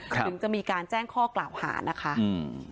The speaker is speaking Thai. ถึงจะมีการแจ้งข้อกล่าวหานะคะอืม